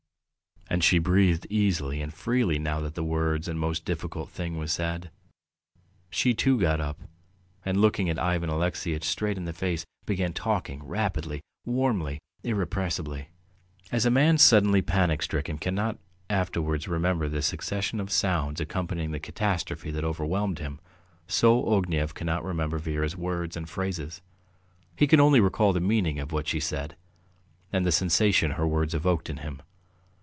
And she breathed easily and freely now that the worst and most difficult thing was said. She, too, got up, and looking Ivan Alexeyitch straight in the face, began talking rapidly, warmly, irrepressibly. As a man suddenly panic stricken cannot afterwards remember the succession of sounds accompanying the catastrophe that overwhelmed him, so Ognev cannot remember Vera's words and phrases. He can only recall the meaning of what she said, and the sensation her words evoked in him.